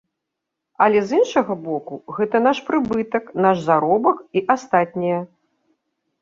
Але, з іншага боку, гэта наш прыбытак, наш заробак і астатняе.